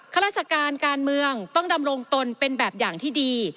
ข้าราชการการเมืองต้องดำรงตนเป็นแบบอย่างที่ดี